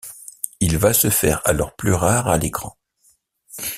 Il va se faire alors plus rare à l'écran.